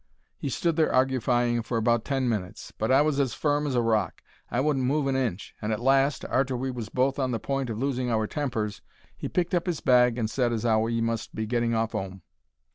He stood there argufying for about ten minutes; but I was as firm as a rock. I wouldn't move an inch, and at last, arter we was both on the point of losing our tempers, he picked up his bag and said as 'ow he must be getting off 'ome.